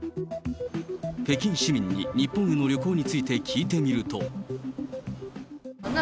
北京市民に日本への旅行について聞いてみると。